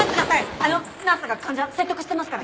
あのナースが患者を説得してますから。